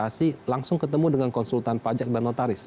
lalu kami bisa facilitate langsung ketemu dengan konsultan pajak dan notaris